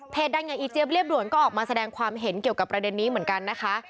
ดังอย่างอีเจี๊ยเรียบด่วนก็ออกมาแสดงความเห็นเกี่ยวกับประเด็นนี้เหมือนกันนะคะ